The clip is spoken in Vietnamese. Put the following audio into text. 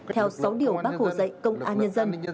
theo sáu điều bác hồ dạy công an nhân dân